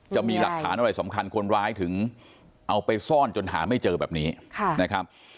จะมีหลักฐานอะไรสำคัญคนร้ายถึงเอาไปซ่อนจนหาไม่เจอแบบนี้นะครับ